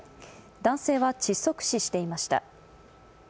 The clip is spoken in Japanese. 男性は窒息死していました。